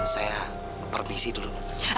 saya permisi dulu